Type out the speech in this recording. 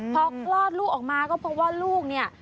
พอคลอดลูกออกมาก็เพราะว่าลูกเนี่ย